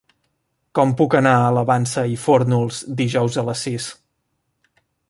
Com puc anar a la Vansa i Fórnols dijous a les sis?